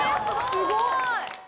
すごい！